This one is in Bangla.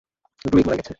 ড্রুইগ মারা গেছে।